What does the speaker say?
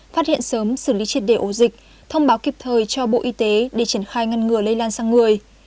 phát hiện sớm xử lý triệt đề ổ dịch thông báo kịp thời cho bộ y tế để triển khai ngăn ngừa lây lan sang người